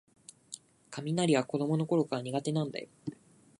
雷は子どものころから苦手なんだよ